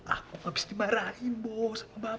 aku habis dimarahin bos sama bapak